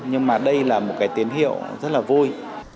nhưng mà đây là một cái tín hiệu rất là vui